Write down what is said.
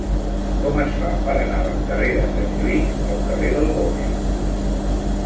Com es fa per anar del carrer de Sant Lluís al carrer del Boix?